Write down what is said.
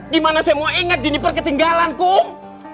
gimana saya mau inget jeniper ketinggalan kum